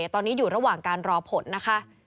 ตอนนี้อยู่ระหว่างการรอผลนะคะ